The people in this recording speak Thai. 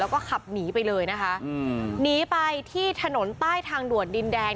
แล้วก็ขับหนีไปเลยนะคะอืมหนีไปที่ถนนใต้ทางด่วนดินแดง